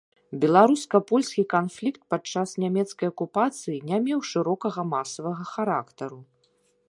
Беларуска-польскі канфлікт падчас нямецкай акупацыі не меў шырокага масавага характару.